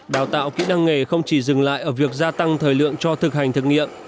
đào tạo kỹ năng nghề không chỉ dừng lại ở việc gia tăng thời lượng cho thực hành thực nghiệm